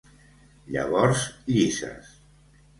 Llavors llises.